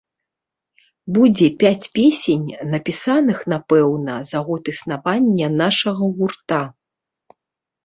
Будзе пяць песень, напісаных, напэўна, за год існавання нашага гурта.